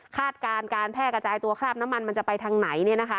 การแพร่กระจายตัวคราบน้ำมันมันจะไปทางไหน